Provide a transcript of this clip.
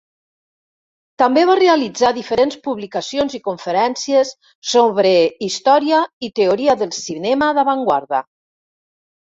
També va realitzar diferents publicacions i conferències sobre història i teoria del cinema d'avantguarda.